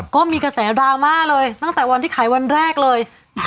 ก็มีกระแสดราม่าเลยตั้งแต่วันที่ขายวันแรกเลย